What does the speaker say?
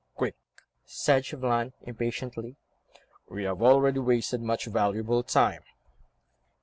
"Quick!" said Chauvelin, impatiently, "we have already wasted much valuable time."